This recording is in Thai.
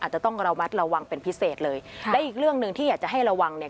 อาจจะต้องระวังเป็นพิเศษเลยได้อีกเรื่องหนึ่งที่อยากจะให้ระวังเนี่ย